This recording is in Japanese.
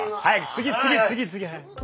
次次次次。